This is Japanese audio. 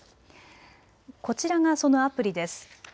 こちらがそのアプリです。